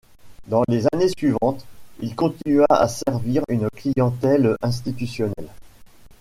Dans les années suivantes, il continua à servir une clientèle institutionnelle.